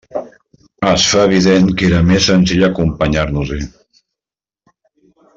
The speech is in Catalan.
Es fa evident que era més senzill acompanyar-nos-hi.